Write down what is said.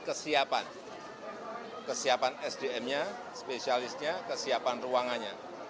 kesiapan kesiapan sdm nya spesialisnya kesiapan ruangannya